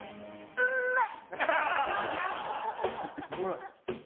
うんまい。